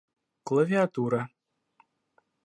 Клавиатура